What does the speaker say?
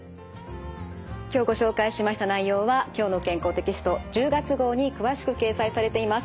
今日ご紹介しました内容は「きょうの健康」テキスト１０月号に詳しく掲載されています。